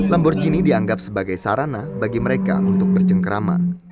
lamborghini dianggap sebagai sarana bagi mereka untuk bercengkeraman